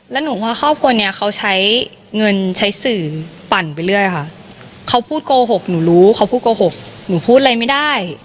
แล้วหนูภาพครอบครัวเนี่ยเขาใช้เงินใช้สื่อปั่นไปเรื่อยค่ะ